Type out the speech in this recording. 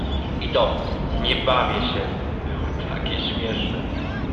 I to: „nie bawię się” było takie śmieszne.